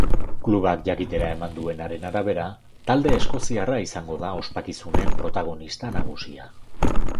Klubak jakitera eman duenaren arabera, talde eskoziarra izango da ospakizunen protagonista nagusia.